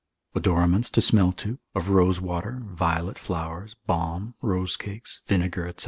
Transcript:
Odoraments to smell to, of rosewater, violet flowers, balm, rose cakes, vinegar, &c.